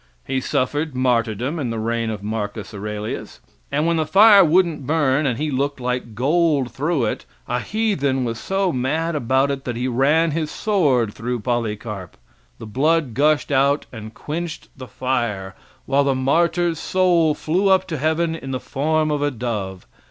He suffered martyrdom in the reign of Marcus Aurelius, and when the fire wouldn't burn and he looked like gold through it, a heathen was so mad about it that he ran his sword through Polycarp. The blood gushed out and quenched the fire, while the martyr's soul flew up to heaven in the form of a dove.